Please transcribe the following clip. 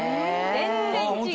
全然違う！